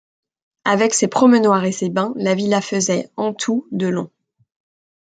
Avec ses promenoirs et ses bains, la villa faisait, en tout, de long.